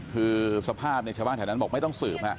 คือสภาพชะมัดแถนนั้นบอกไม่ต้องสืบ